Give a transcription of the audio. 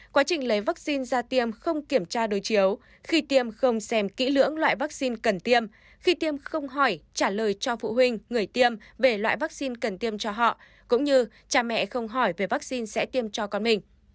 quá trình lấy vaccine ra tiêm không kiểm tra đối chiếu khi tiêm không xem kỹ lưỡng loại vaccine cần tiêm khi tiêm không hỏi trả lời cho phụ huynh người tiêm về loại vaccine cần tiêm cho họ cũng như cha mẹ không hỏi về vaccine sẽ tiêm cho con mình